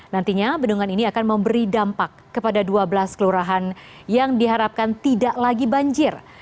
nantinya bendungan ini akan memberi dampak kepada dua belas kelurahan yang diharapkan tidak lagi banjir